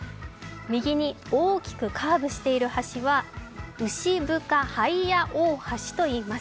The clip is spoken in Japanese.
右に大きくカーブしている橋は牛深ハイヤ大橋といいます。